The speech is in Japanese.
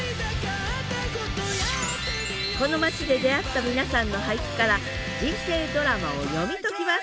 この町で出会った皆さんの俳句から人生ドラマを読み解きます